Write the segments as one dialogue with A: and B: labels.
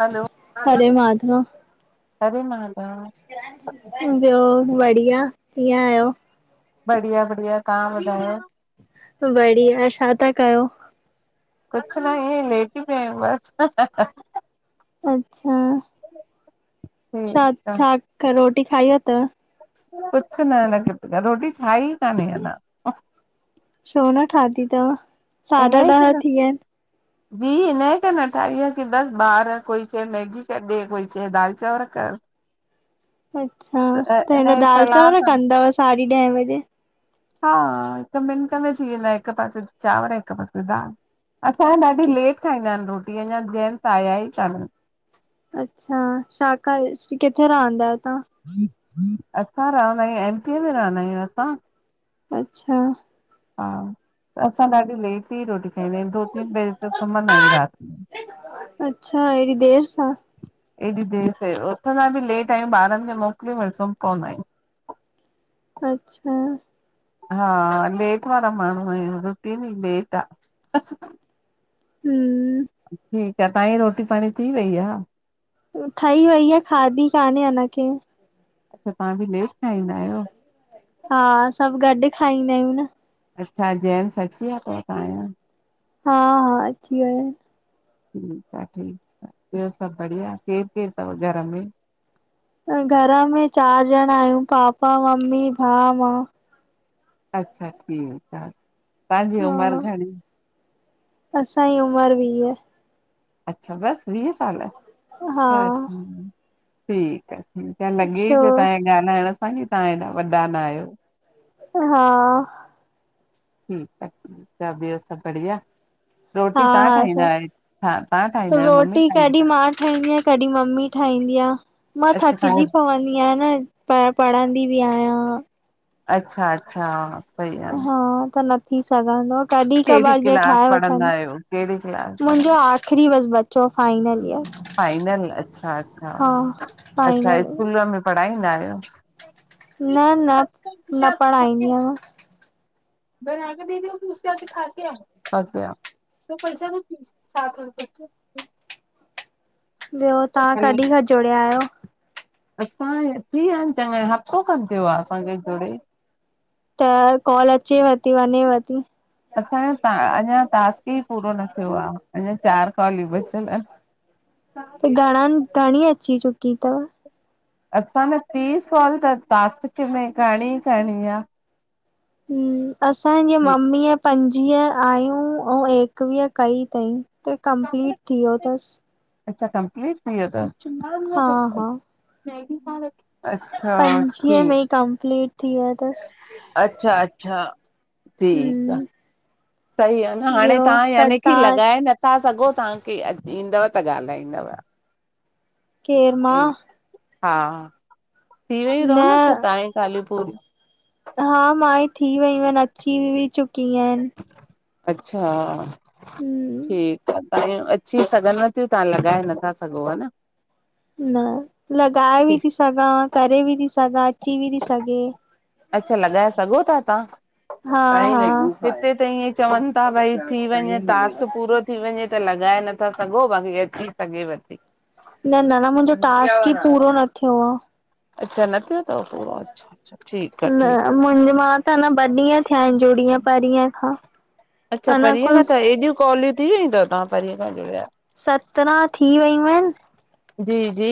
A: हलो,
B: हरे माधव
A: हरे मधव।
B: ॿियो बढ़िया, कीअं आहियो?
A: बढ़िया बढ़िया, तव्हां ॿुधायो?
B: बढ़िया श था कयो?
A: कुझु न ईअं लेटी पई हम बस।
B: अच्छा, छा
A: ठीकु आ
B: छा क रोटी खाई वतव?
A: कुझु न अन तई रोटी ठाह कान्हे अञा।
B: छो न ठाती तव?
A: [unintelligible] जी, हिनए करे न ठाही आ की बस बार कोई चए मैगी क ॾे कोई चए दाल चांवर कर।
B: अच्छा त हिन
A: इनजी
B: दाल
A: सलाह
B: चांवर
A: सां
B: कंदव साढी ॾहेें वजे।
A: हा हिकु मिंट में थी वेंदा हिकु पासे चांवर हिकु पासे दाल। असांजा ॾाढी लेट खाईंदा आहिन रोटी अञा जैन्स आया ई कानन।
B: अच्छा शाका किथे रहंदा आयो तां?
A: असां रहंदा आयूं एम पीअ में रहंदा आयूं असां।
B: अच्छा।
A: हा त असां ॾाढी लेट ई रोटी खाईंदा आहियूं दो तीन बजे त सुम्हंदा आहियूं रात में।
B: अच्छा, हेॾी देर सां?
A: एॾी देर दे उथंदा बि लेट आयूं ॿारन खे मोकले वरी सुमी पवना आयूं।
B: अच्छा।
A: हा लेट वारा माण्हू आयूं, रुटीन ई लेट आ।
B: हम्म,
A: ठीक आ, तव्हांजी रोटी पाणी थी वई आ?
B: ठही वई आ खाधी कान्हे अना कें।
A: अच्छा तव्हां भी लेट ठाहींदा आहियो
B: हा सभ गॾु खाईंदा आहियूं न
A: अच्छा जेन्स अची वया तव तव्हांजां
B: हा हा अची वया आहिन
A: ठीक आ ठीक आ ॿियो सभ बढ़िया केर केर तव घर में
B: अ घर में चार ॼणा आहियूं पापा मम्मी भाउ मां
A: अच्छा ठीक आ तव्हांजी उमर घणी
B: असांई उमर वीअ
A: अच्छा बस वीह साल
B: हा
A: अच्छा अच्छा ठीक आ त लॻे ई
B: छो
A: पयो तव्हे ॻाल्हाइण सां की तव्हां हेॾा वॾा ना आहियो
B: हा
A: ठीक आ ठीक ॿियो सभु बढ़िया
B: हा
A: रोटी तव्हां
B: हा
A: ठाहींदा
B: सर
A: आहियो हा तव्हां ठाहि
B: रोटी कॾहिं मां ठाहींदी आहियां कॾी मम्मी ठाहींदी आ मां
A: अच्छा तव्हां
B: थकजी पवंदी आहियां न प पढ़ंदी भी आहियां
A: अच्छा अच्छा सही आ न
B: हा त न थी सघंदो आ कॾहिं क
A: कहिड़ी
B: बार जे
A: क्लास
B: ठाहे वठा
A: पढ़ंदा आहियो? कहिड़ी क्लास
B: मुंहिंजो
A: पढ़ंदा
B: आ ख़्ररी बस बचो फाइनल ईयर
A: फाइनल अच्छा अच्छा
B: हा
A: अच्छा
B: फाइनल
A: स्कूल
B: ईयर।
A: में पढ़ाईंदा आहयो
B: न न न पढ़ाईंदी आहियां
A: बना के देती हु फिर उसके यहा से खाके आ खाके आ त पैसा दो साठ रुपया [unintelligible]
B: ॿियो तव्हां कॾहिं खा जुड़िया आहियो
A: असां थी विया आहिन चडा हफ़्तो खन थियो आ असांखे जुड़े
B: त कॉल अचेव ती वञेव ती
A: असांजो अञा टास्क ई पूरो न थियो आ अञा चार कॉलियूं बचियल अनि कहा [inaudible]
B: त घणन घणी अची चुकी तव
A: असां न तीस कॉल त टास्क में करिणी करिणी आ
B: असांजी मम्मीअ पंजवीह आयूं ऐं एकवीह कई तई त कंप्लीट थी वयो तस
A: अच्छा कंप्लीट थी वयो
B: हा
A: तस
B: हा पंजवीह में ई कंपलीट थी वयो तस
A: अच्छा अच्छा ठीक आ
B: हम्म
A: सही आ न हाणे
B: ॿियो
A: तव्हां
B: त
A: यानी की
B: तव्हां
A: लॻाए नथा सगो तव्हांखे अॼु ईंदव त ॻाल्हाईंदव
B: केर मां
A: हा थी वयूं तव न तव्हांजी कालियूं पूरियूं
B: हा मां ई थी वयूं आहिन अची बि चुकि आहिन
A: अच्छा
B: हम्म
A: ठीक आ अची सघन थियूं तव्हां लॻाए नथा सघो हा न
B: न लॻाए बि थी सघां करे बि थी सघां अची बि थी सघे
A: अच्छा लॻाए सघो था तव्हां
B: हा हा
A: हिते त ईअ चवन ता भई थी वंञे टास्क पूरो थी वंञे त लॻाए नथा सघो बाक़ी अची सघेव ती।
B: न न न, मुंहिंजो टास्क ई पूरो न थियो आ।
A: अच्छा न थियो थव पूरो, अचछा! अा ठीकु आहे [inaudible]
B: न
A: आहे
B: मुंजी, मा त न ॿ ॾींहं थिया आहिन जुड़ी आं परींह खां।
A: अच्छा
B: अञा
A: परीह
B: कुल
A: खां, त हेएॾियूं कॉलियूं थी वयूं अथव तहां परीह खां जुड़िया
B: सत्रहं थी वयूं आहिन
A: जी जी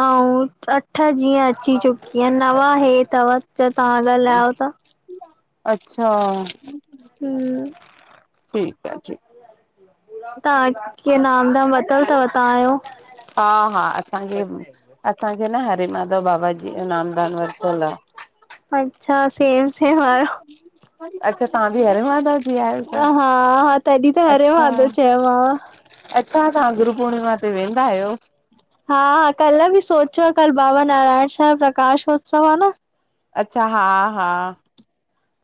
B: ऐं अठ जीअं अची चुकी आहे, नव हे थव, जो तव्हां ॻाल्हायो था।
A: अच्छा
B: हम
A: ठीकु आहे ठीक
B: तां कींअ, नाम धाम वरितलु थव तहांयो?
A: हा हा असांखे असांखे न हरे माधव बाबा जी जो नामदान वरितलु आ।
B: अच्छा सेम- सेम वारो।
A: अच्छा तां बि हरे माधव जी आहियो छा?
B: हा हा, तॾहिं त हरे
A: अच्छा
B: माधव चयो मांव।
A: अच्छा तां गुरु पूर्णिमा ते वेंदा आयो?
B: हाा कल्ह बि सोच्यो हो, कल बाबा नारायण साह प्रकाश उत्सव आ न।
A: अच्छा, हा- हा!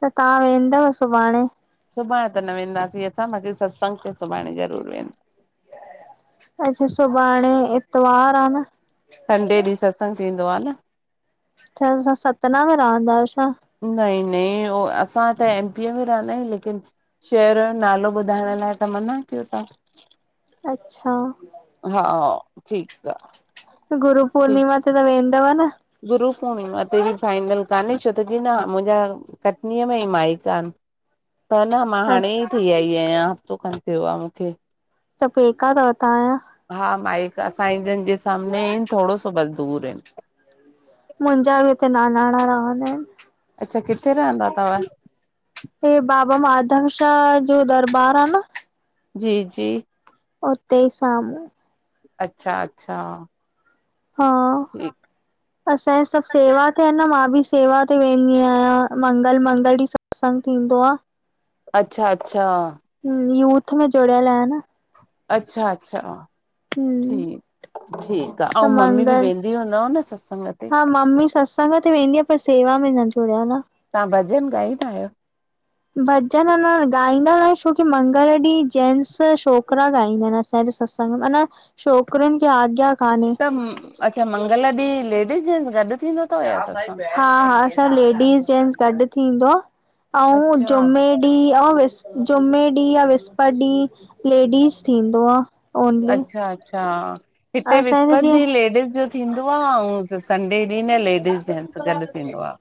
B: त तां वेंदव सुभाणे?
A: सुभाणे त न वेंदासीं असां, बाकि सत्संग त सुभाणे ज़रूरु वेंदासीं।
B: अच्छा सुभाणे इ्तवार आ न।
A: संडे ॾींहुं सत्संग थींदो आ न।
B: तां छा सतना में रहंदा आयो छा?
A: नहीं नहीं, असां त एमपी में रहंदा आयूं लेकिन शहर जो नालो ॿुधाइण लाए त मना कयो तां!
B: अच्छा
A: हा ठीकु आ
B: गुरू पूर्णिमा ते त वेंदव न?
A: गुरु पूर्णिमा ते बि फाइनल कान्हे, छो त कि न मुंजा कटनीअ में ई माइका आन, त न मां हाणे ई
B: अच्छा
A: थी आई आयां, हफ़्तो खण थियो आ मूंखे।
B: त फेका अथव तांजा?
A: हा माइका सांइ जन जे सामने, थोड़ो सो बस दूर आहिन।
B: मुंजा बि हुते नानाणा रहंदा आहिन।
A: अच्छा किथे रहंदा अथव?
B: ते बाबा माधव शाह जो दरबार आ न
A: जी जी
B: उते ई सामू।
A: अच्छा अच्छा
B: हा
A: ठीक
B: असांजे सब सेवा ते आहिन न, मां बि सेवा ते वेंदी आयां, मंगल मंगल ॾीह सत्संग थींदो आ।
A: अच्छा अच्छा
B: हम्म, यूथ में जुड़ियल आंया न।
A: अच्छा अच्छा,
B: हम
A: ठीक ठीकु आ
B: त
A: ऐं ममी बि
B: मंगल
A: वें दी हूंदव न न सत्संग ते
B: हा ममी सत्संग ते वेंदी आहे पर सेवा में न जुड़िया ह न
A: तव्हां भॼन ॻाईंदा आहियो?
B: भॼन न गाईंदा न छोकी मंगल ॾींहुं जेनस। छोकिरा गाईंदा आहिनि, असांजे सत्संग में माना छोकिरुनि खे आगया न कान्हे।
A: अच्छा मंगल ॾींहुं लेडीज जेंसगॾु।
B: हा हा, असांज लेडीस जेंट्स गॾु थींदो आहे ऐं
A: अच्छा
B: जुमे एहा जुमे ॾींहुं या विस्पति ॾींहुं लेडीज़ थींदो आ। ओनली
A: अच्छा अच्छा, हिते
B: असांजे जीअं
A: विसपतिींहुं लेडीिस जो थींदो आहे ऐं संडे ॾींहुं न लेडस जेंट्स गॾु थींदो आ।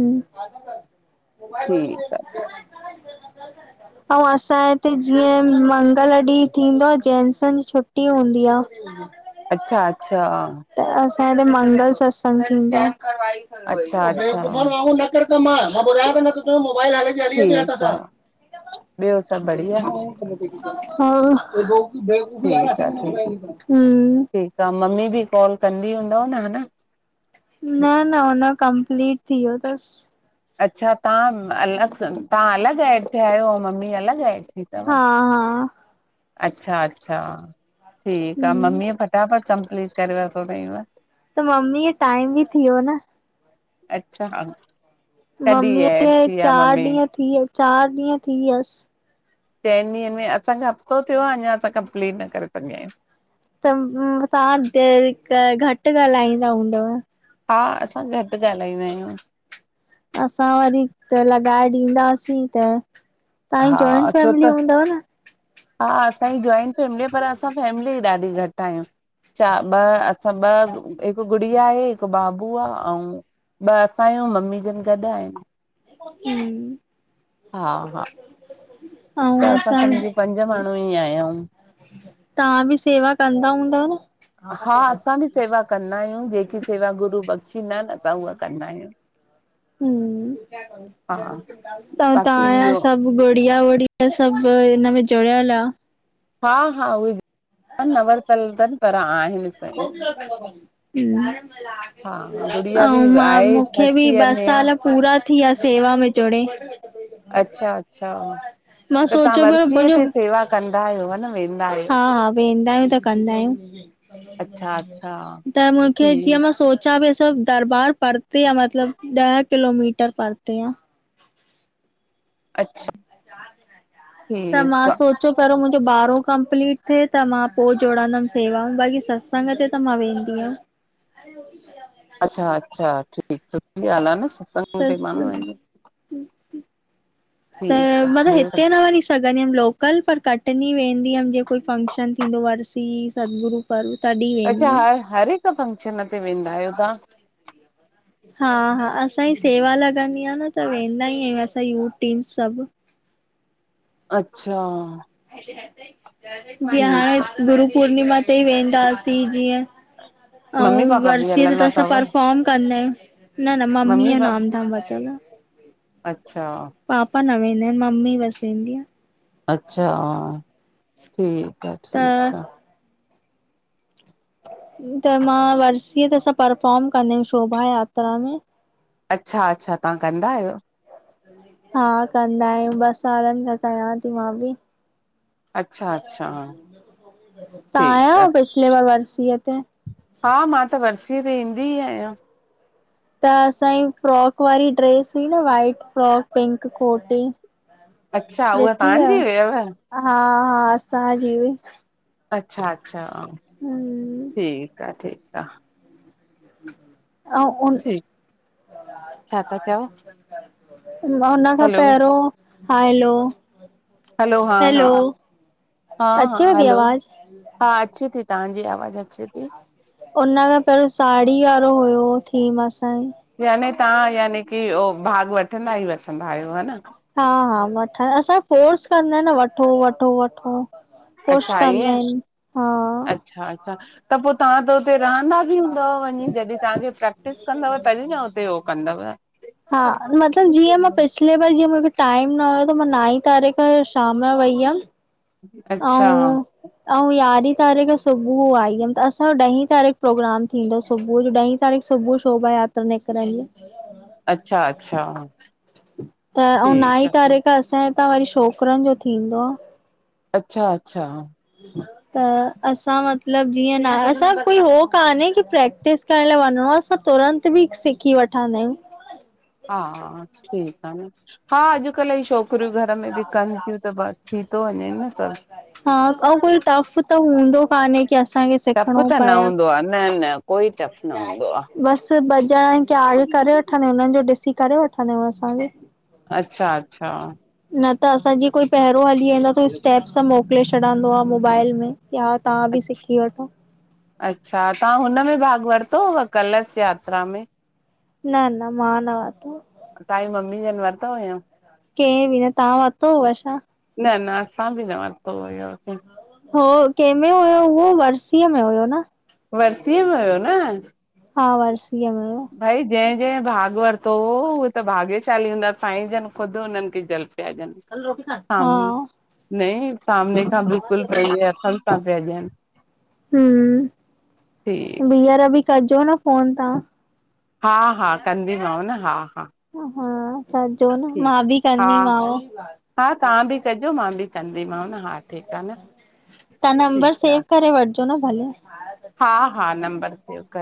B: मोबाइल व-
A: [inaudible]
B: अ असांजे हिते जीअं मंगल ॾींहुं थींदो आ, जेन्सन जी छुट्टी हूंदी आ। हम
A: अच्छा अच्छा।
B: त असांजे हिते मंगल सत्संग थींदो आ।
A: अच्छा अच्छा
B: न कर कमु आ मां ॿुधाययो त न तंहिंजो मोबाइल हले हली अच अथां
A: ठीकु
B: सां।
A: आहे ॿियो सभु बढ़िया
B: बेकूफी
A: ठीकु
B: आसांके न पंदी हम्म।
A: त मम्मी बि कॉल कंदी हूंदव न ह न?
B: न न, हुन जो कमपलीट थी वियो थसि।
A: अच्छा तव्हां अलॻि सां, तव्हां अलॻि एड थिया आहियो ऐं मम्मी अलॻि हेड थी
B: हा
A: आ।
B: हा
A: अच्छा, अच्छा। ठीकु आ
B: हम्म
A: मम्मी फटाफट कंप्लीट करे वरठो अयव।
B: त मम्मी टाइम बि थ वियो न।
A: अच्छा हा?
B: मम्मीअ खे चार ॾींहं, थ वि चारि ॾींहं थी वियसि।
A: चइनि ॾींहंनि में। असांखे हफ़्तो थियो आहे अञा असां कंप्लीट न करे सघिया आहियूं।
B: त तव्हां घटि ॻाल्हाईंदा हूंदव।
A: हा असां घटि ॻाल्हाईंदा आहियूं।
B: असां वरी लॻाए ॾींदासीं, त तव्हांजी
A: हा
B: जॉइंट
A: छो
B: फैमिली
A: त
B: हूंदव न?
A: हा असांजी जॉइंट फैमिली आ पर असां फैमिली ॾाढी घटि आहियूं। चार ॿ असां ॿ हिकु गुड़िया आहे हिकु बाबू आहे ऐं ॿ असां आयूं, ममी जन गॾु आहिनि
B: हम्म
A: हा हा। त असां सम्झो पंज माण्हू ई आयायूं।
B: तव्हां बि सेवा कंदा हूंदव न?
A: हा असां बि सेवा कंदा आहियूं। जेकी सेवा गुरू बख़षींदा आहिनि, असां उहा कंदा आहियूं।
B: हम्म,
A: हा
B: त
A: बाक़ी
B: तव्हां आ
A: इहो
B: सभु गुड़िया बड़िया ड़िया। ह सभु हिन में जुड़ियल आ
A: हा हा। उहे न वरतलु अथनि पर आहिनि सभु।
B: हम्म।
A: हा गुड़िया बि
B: ऐं मां
A: आहे
B: मूंखे
A: फस्ट
B: बि
A: ईयर
B: ॿ
A: में आ
B: साल पूरा थी विया सेवा में जुड़े।
A: अच्छा अच्छा।
B: मां
A: त तव्हां
B: सोचियो पयो
A: वरसीअ
B: मुंहिंजो,
A: ते सेवा कंदा आहियो हा न वेंदा आहियो
B: हा हा, वेंदा आहियूं त कंदा आहियूं।
A: अच्छा अच्छा।
B: त मूंखे जीअं
A: ठीक
B: मां सोच अच्छा [unintelligible] भ हे सभु दरबार पड़़ते आ मतलब ॾह किलोमीटर पड़ते आ।
A: अच्छा
B: त मां
A: ठीक आ।
B: सोच छो पहिरों मुंहिंजो ॿारहों कंप्लीट थिए त मां पोइ जोड़ंदमि सेवाऊ बाक़ी सत्संग ते त मां वेंदी हुयमि। अ रोटी [inaudible]
A: अच्छा अच्छा ठीकु सुठी ॻाल्हि आहे न। सत्संग
B: त
A: ते माण्हू आहिनि ठीक आ
B: मन
A: ॿियो
B: हित न वञी सघंदी हुअमि लोकल पर कटनी वेंदी हुअमि जीअ कोई फंक्शन थींदो वरसी सदगुरू। बंद तॾी
A: अच्छा हा हर हिकु फंक्शन ते वेंदा आहियो तव्हां
B: हा हा असांजी सेवा लॻंदी आहे न त वेंदा ई आहियूं असां ऐं टीम सभु
A: अच्छा
B: जीअ
A: ठीकु
B: हाणे गुरु पुर्णिमा ते ई वेंदासीं जीअं
A: आहे मम्मी
B: ऐं
A: पापा बि
B: वर्सीअ ते
A: हलंदा
B: त असां
A: अथव
B: परफॉर्म कंदा आहियूं न न मम्मी जो नाम धाम वतल आं
A: अच्छा
B: पापा न वेंदा आहिनि ममी बसि वेंदी आहे
A: अच्छा ठीकु आ
B: त
A: ठीक
B: त मां वर्सीअ ते असां परफोर्म कंदी हुयमि शोभा यात्रा में
A: अच्छा अच्छा तव्हां कंदा आहियो
B: हा कंदा आहियूं ॿस सालनि खां कयां थी मां बि
A: अच्छा अच्छा
B: तव्हां आया
A: ठीकु
B: आहियो
A: आहे
B: पिछले बार वरसीए ते
A: हा मां त वर्सीअ ते ईंदी ई आहियां
B: त असांजी फ्रॉक वारी ड्रेस हुई न वाइट फ्रॉक पिंक कोट
A: अच्छा उहा
B: विठी आहे
A: तव्हांजी हुयव
B: हा हा असांजी बि
A: अच्छा अच्छा
B: हम्म
A: ठीकु आहे ठीकु आहे
B: अ [inaudible]
A: ठीकु छा था चओ
B: न हुन खां
A: हलो
B: पहिरियों हैलो
A: हलो हा हा
B: हैलो,
A: हा हा
B: अचेव थी
A: हलो
B: आवाज़?
A: हा अचे थी तव्हांजी आवाज़ु अचे थी
B: उन खां पहिरियों साड़ी वारो हुयो थीम असांजी
A: याने तव्हां याने की उह भाग वठंदा ई वठंदा आहियो हा न
B: हा हा वठणसां फोर्स कंदा आहिन न वठो वठो वठो पुश
A: अच्छा
B: कंदा
A: ईअं
B: आहिनि हा
A: अच्छा अच्छा त पोइ तव्हां त हुते रहंदा हूंदव वञी जॾहिं तव्हांखे प्रेक्टिस कंदव तॾहिं न हुते हो कंदव
B: हा मतिलब जीअं मां पस पले [unintelligible] ब जीअं मूंखे टाइम न हुयो त मां नाईं तारीख़ शाम जो वई हुअमि
A: अच्छा
B: ऐं ऐं यारहीं तारीख़ सुबुह आई हुयमि त असांजो ॾहीं तारीख़ प्रोग्राम थींदो सुबुह जो ॾहीं वरी सुभु शोभा यात्रा निकिरी
A: अच्छा अच्छा ठीक आहे
B: त असां त वरी छोकिरनि जो थींदो आ।
A: अच्छा -अच्छा
B: अ [unintelligible] त असां मतिलबु जीअं न, असां कोई हो कान्हे की प्रैक्टिस करण लाए वंञिंणो आ सभु तुरंत बि सिखी वठंदा आहियंउं।
A: हा ठीक आ न, हा अॼुकल्ह यी छोकि -किरियूं घर में बि कनि थियूं त ब थी तो वञेंनि न सभु।
B: हा, अंउ कोई टफ त हूंदो कान्हे कि असांखे
A: टफ
B: सिखिणो
A: त न
B: पए,
A: हूंदो आहे न न कोई टफ न हूंदो
B: बसि ॿ ॼणा कियाल करे वठंदा आहियूं उन्हन जो ॾिसी करे वठंदा आहियूं असांबि।
A: अच्छा -अच्छा
B: न त असांजी कोई पहिरियों हली वेंदा फिर स्टेप्स मोकिले छॾंदो आ मोबाइल में कि हा तहां बि सिखी वठो।
A: अच्छा तहां हुन में भाग वरितो हुअ, कलश यात्रा में।
B: न -न मां न वतो - -
A: अंउं तहांजी मम्मी जन वरतो हुयंउं?
B: केंहे बि न, तहां वरितो हुव छा?
A: न न असां बि न वरितो हुयोसीं।
B: हो कंहिंमें हुयो, उहो वर्सीअ में हुयो न।
A: वर्सीअ में हुयो न।
B: हा वर्सीअ में हुयो।
A: भाई जंहिं -जंहिं भाग वरितो हो उहे त भाग्यशाली हूंदा साईं जनि ख़ुदि उन्हनि खे जल पिया ॾियन।
B: हा - -
A: नई सामने खां बिल्कुलु पहिंजे हथन सां पिया ॾियन।
B: हम्म - -
A: ऐं - -
B: ॿीहर बि कजो न फ़ोन तहां।
A: हा -हा कंदीमांव न हा -हा।
B: हा कजो न मां
A: ठीकु
B: बि
A: हा
B: कंदीमांव।
A: हा तव्हां बि कजो, मां बि कंदीमांव न हा। ठीकु आहे न
B: तहां नंबर
A: ठीकु आहे
B: सेव करे वठिजो न भले।
A: हा हा नंबर सेव करे